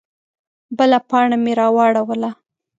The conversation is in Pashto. _بله پاڼه مې راواړوله.